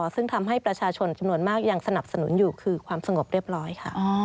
ซึ่งทำให้ประชาชนจำนวนมากยังสนับสนุนอยู่คือความสงบเรียบร้อยค่ะ